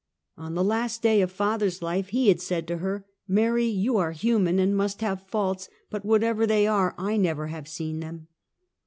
On the last day of father's life he had said to her, " Mary you are human, and must have faults, but whatever they are I never have seen them."